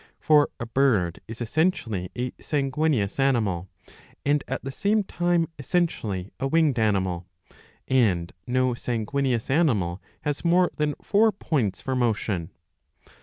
For a bird is essentially a sanguineous animal, and at the same time essentially a winged animal ; and no sanguineous animal has more than four points for motion."